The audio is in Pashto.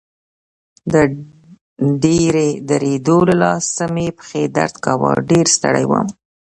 د ډېرې درېدو له لاسه مې پښې درد کاوه، ډېر ستړی وم.